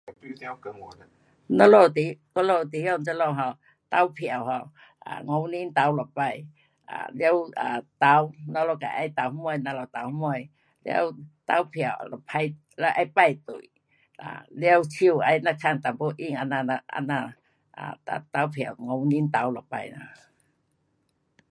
我们地方这里投票五年投一次想投谁就投投票必须排队手必须沾点墨水投票五年投一次